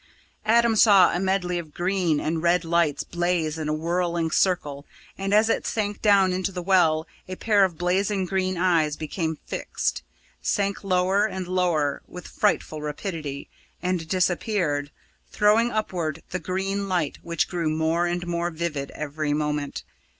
Adam saw a medley of green and red lights blaze in a whirling circle, and as it sank down into the well, a pair of blazing green eyes became fixed, sank lower and lower with frightful rapidity, and disappeared, throwing upward the green light which grew more and more vivid every moment.